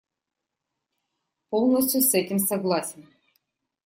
Полностью с этим согласен.